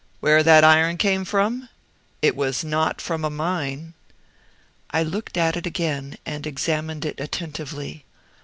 "Where that iron came from? It was NOT from a mine." I looked at it again, and examined it attentively.